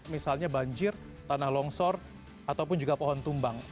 misalnya banjir tanah longsor ataupun juga pohon tumbang